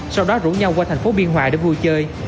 sau đó rủ nhau qua tp biên hòa để vui chơi